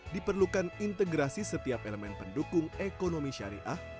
diperlukan integrasi setiap elemen pendukung ekonomi syariah